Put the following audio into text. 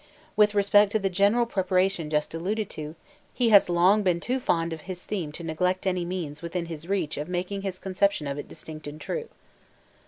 With respect to the general preparation just alluded to, he has long been too fond of his theme to neglect any means within his reach of making his conception of it distinct and true.